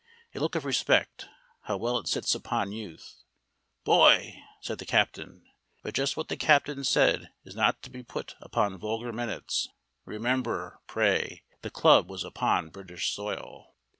A look of respect: how well it sits upon youth. "Boy!" said the captain but just what the captain said is not to be put upon vulgar minutes. Remember, pray, the club was upon British soil.